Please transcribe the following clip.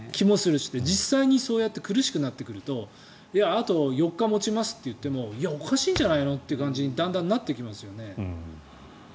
実際にそうやって苦しくなってくるとあと４日持ちますといってもいや、おかしいんじゃないのという感じにだんだんなってきますよね。